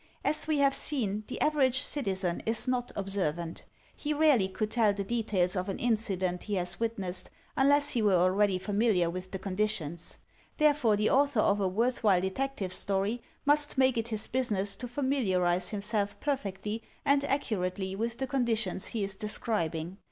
As we have seen, the average citizen is not observant. He rarely could tell the details of an incident he has witnessed, unless he were already familiar with the conditions. There EVIDENCE 271 fore the author of a worth while Detective Story must make it his business to familiarize himself perfectly and accurately with the conditions he is describing.